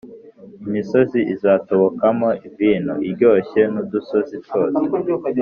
Imisozi izatobokamo vino iryoshye n udusozi twose